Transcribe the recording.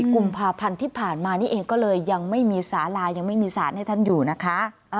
กุมภาพันธ์ที่ผ่านมานี่เองก็เลยยังไม่มีสาลายังไม่มีสารให้ท่านอยู่นะคะ